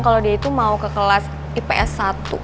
kalau dia itu mau ke kelas ips satu